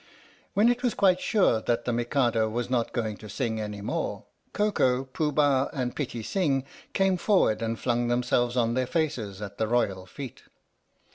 When it was quite sure that the Mikado was not going to sing any more, Koko, Pooh Bah and Pitti Sing came forward and flung themselves on their faces at the royal feet.